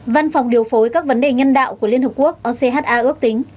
văn phòng điều phối các vấn đề nhân đạo của liên hợp quốc ocha ước tính